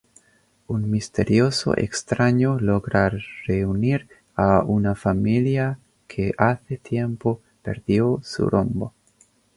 Un misterioso extraño logra reunir a una familia que hace tiempo perdió su rumbo.